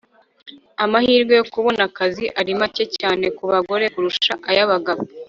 amahirwe yo kubona akazi ari make cyane ku bagore kurusha ayabagabo